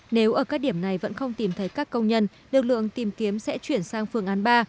nếu ở các điểm này vẫn không tìm thấy các công nhân lực lượng tìm kiếm sẽ chuyển sang phương án ba